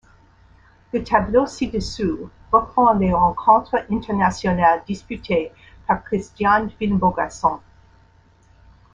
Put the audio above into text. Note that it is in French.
Le tableau ci-dessous reprend les rencontres internationales disputées par Kristján Finnbogason.